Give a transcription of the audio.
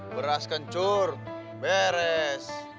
beras kencur beres